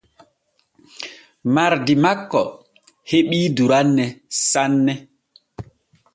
Mardi makko hebii durande sanne.